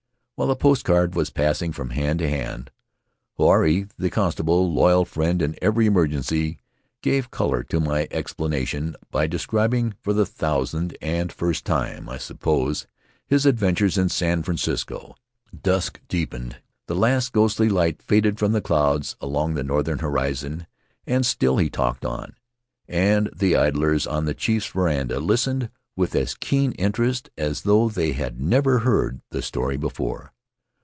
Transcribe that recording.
While the post card was passing from hand to hand, Huirai, the constable, loyal friend in every emergency, gave color to my explanation by describing — for the thousand and first time, I suppose — his adventures in San Francisco. Dusk deepened, the last ghostly light faded from the clouds along the northern horizon, and still he talked on; and the idlers on the chief's veranda listened with as keen interest as though they had never heard the story before.